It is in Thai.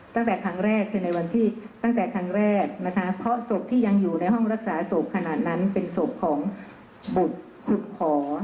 ตั้งแต่ครั้งแรกเพราะศพที่ยังอยู่ในห้องรักษาศพขนาดนั้นเป็นศพของบุตรขุดขอ